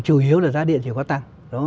chủ yếu là giá điện chỉ có tăng